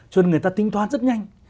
cho nên người ta tinh toán rất nhanh